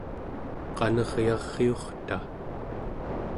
qaneryariurta